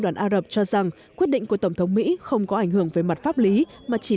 đoàn ả rập cho rằng quyết định của tổng thống mỹ không có ảnh hưởng về mặt pháp lý mà chỉ